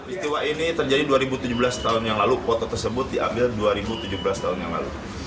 istiwa ini terjadi dua ribu tujuh belas tahun yang lalu foto tersebut diambil dua ribu tujuh belas tahun yang lalu